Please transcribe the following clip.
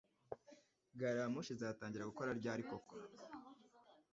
Gari ya moshi izatangira gukora ryari koko?